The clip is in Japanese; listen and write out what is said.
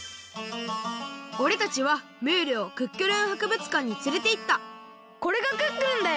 おれたちはムールをクックルン博物館につれていったこれがクックルンだよ！